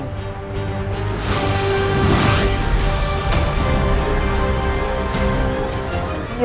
ini dilakukan sekali